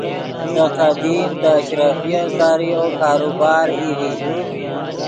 دے قدیم دے اشرفیف ذریعو کاروبار ای ڤی